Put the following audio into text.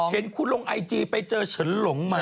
เห็นคุณลงไอจีไปเจอเฉินหลงมา